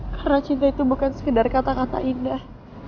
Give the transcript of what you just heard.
karena cinta itu bukan sekedar kata kata indah